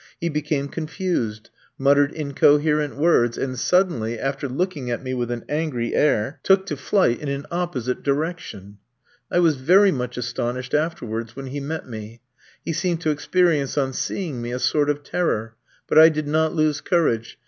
He became confused, muttered incoherent words, and suddenly, after looking at me with an angry air, took to flight in an opposite direction. I was very much astonished afterwards, when he met me. He seemed to experience, on seeing me, a sort of terror; but I did not lose courage.